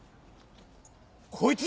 こいつだ！